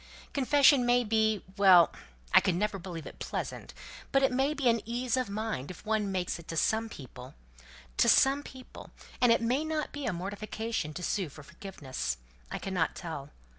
Confession may be well! I can never believe it pleasant but it may be an ease of mind if one makes it to some people, to some person, and it may not be a mortification to sue for forgiveness. I cannot tell.